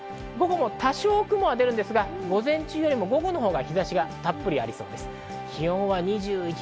多少、雲は出ますが、午前中よりも午後のほうが日差しはたっぷりありそうです。